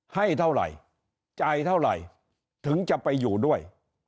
ให้เท่าไหร่จ่ายเท่าไหร่ถึงจะไปอยู่ด้วย